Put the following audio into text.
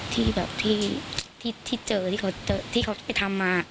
ที่แบบที่เจอที่เขาไปทำมา